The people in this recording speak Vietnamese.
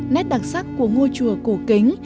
nét đặc sắc của ngôi chùa cổ kính